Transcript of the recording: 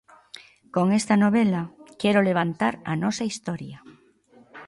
Con esta novela quero levantar a nosa historia.